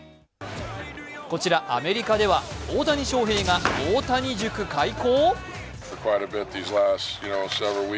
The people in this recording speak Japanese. こちら、アメリカでは大谷翔平が大谷塾開講？